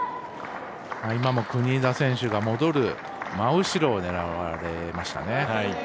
今も国枝選手が戻る真後ろを狙われましたね。